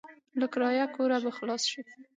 له کرايه کوره به خلاص شې.